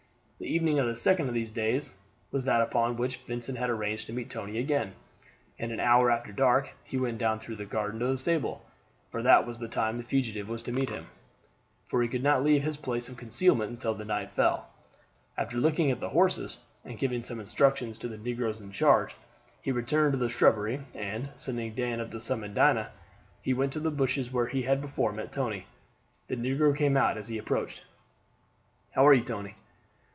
The evening of the second of these days was that upon which Vincent had arranged to meet Tony again, and an hour after dark he went down through the garden to the stable; for that was the time the fugitive was to meet him, for he could not leave his place of concealment until night fell. After looking at the horses, and giving some instructions to the negroes in charge, he returned to the shrubbery, and, sending Dan up to summon Dinah, he went to the bushes where he had before met Tony. The negro came out as he approached. "How are you, Tony?"